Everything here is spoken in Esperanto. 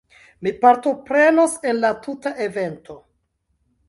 Mi partoprenos en la tuta evento